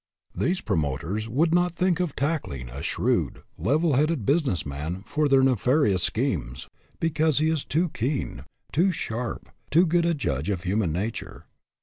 These promoters would not think of tack ling a shrewd, level headed business man for their nefarious schemes, because he is too keen, too sharp, too good a judge of human nature.